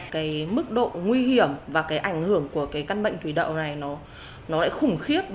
cái mức độ nguy hiểm và cái ảnh hưởng của cái căn bệnh thủy đậu này nó lại khủng khiếp